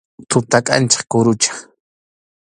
Tuta kʼanchaq kurucha.